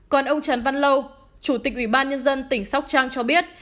còn ông trấn văn lâu chủ tịch ủy ban nhân dân tỉnh sóc trang cho biết